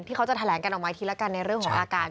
เขาจะแถลงกันออกมาทีละกันในเรื่องของอาการ